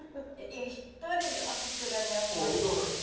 １人ではさすがに、あんまり。